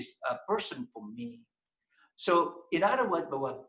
saya tidak percaya bahwa anda adalah orang yang benar bagi saya